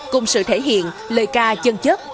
cùng sự thể hiện lời ca chân chất